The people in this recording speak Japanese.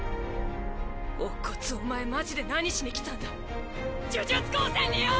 乙骨お前マジで何しに来たんだ呪術高専によ！